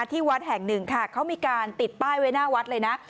ที่วัดแห่งหนึ่งค่ะเขามีการติดป้ายไว้หน้าวัดเลยนะ